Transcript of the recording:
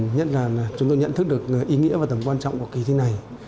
nhất là chúng tôi nhận thức được ý nghĩa và tầm quan trọng của kỳ thi này